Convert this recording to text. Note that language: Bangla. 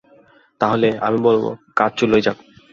তাহলে, আমি বলব, কাজ চুলোয় যাক!